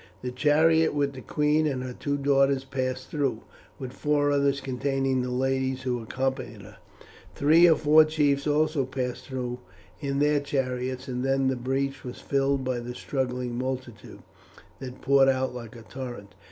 The chariot with the queen and her two daughters passed through, with four others containing the ladies who accompanied her. Three or four chiefs also passed through in their chariots, and then the breach was filled by the struggling multitude, that poured out like a torrent.